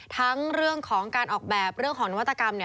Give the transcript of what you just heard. ทั้งเรื่องของการออกแบบเรื่องของนวัตกรรม